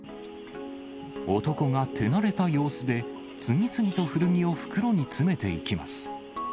男が手慣れた様子で、次々と古着を袋に詰めていきます。